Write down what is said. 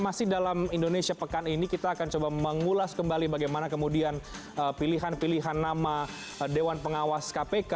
masih dalam indonesia pekan ini kita akan coba mengulas kembali bagaimana kemudian pilihan pilihan nama dewan pengawas kpk